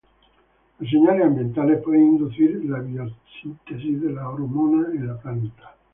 Las señales ambientales pueden inducir la biosíntesis de la hormona en la planta.